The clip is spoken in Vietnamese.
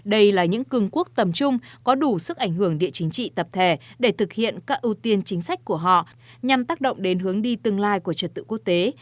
đây là những cường quốc tầm trung có đủ sức ảnh hưởng địa chính trị tập thể để thực hiện các ưu tiên chính sách của họ nhằm tác động đến hướng đi tương lai của trật tự quốc tế